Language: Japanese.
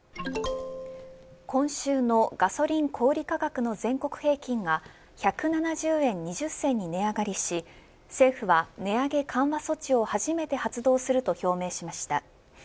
今週のガソリン小売価格の全国平均が１７０円２０銭に値上がりし、政府は値上げ緩和措置を初めて発動すると表明しました。